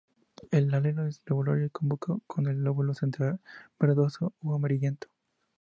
El labelo es lobulado y cóncavo con el lóbulo central verdoso o amarillento.